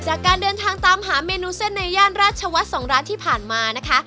จากการเดินทางตามหาเมนูเส้นในย่านราชวัฒน์๒ร้านที่ผ่านมานะคะ